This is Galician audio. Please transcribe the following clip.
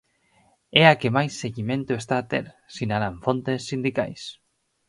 E a que máis seguimento está a ter, sinalan fontes sindicais.